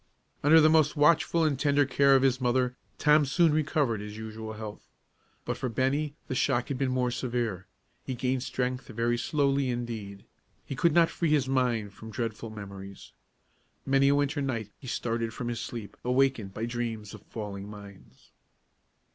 Under the most watchful and tender care of his mother, Tom soon recovered his usual health. But for Bennie the shock had been more severe. He gained strength very slowly, indeed. He could not free his mind from dreadful memories. Many a winter night he started from his sleep, awakened by dreams of falling mines.